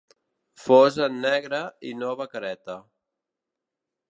Fos en negre i nova careta.